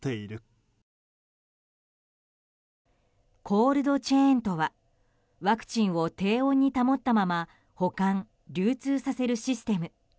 コールドチェーンとはワクチンを低温に保ったまま保管・流通させるシステム。